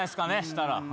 したら。